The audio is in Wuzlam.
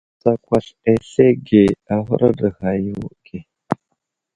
Tsakwasl azlege a huraɗ ghay age.